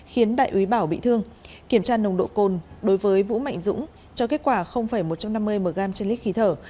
khiến đại úy bảo bị thương kiểm tra nồng độ cồn đối với vũ mạnh dũng cho kết quả một trăm năm mươi mg trên lít khí thở